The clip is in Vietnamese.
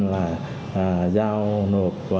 là giao nộp